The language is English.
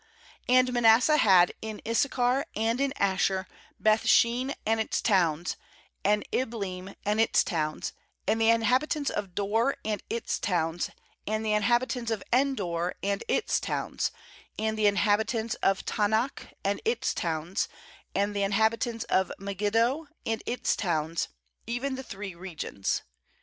uAnd Manasseh had in Issachar and in Asher Beth shean and its towns, and Ibleam and its towns, and the inhabitants of Dor and its towns, and the inhabitants of En dor and its towns, and the inhabitants of Taanach and its towns, and the inhabitants of Megiddo and its towns, even the three regions.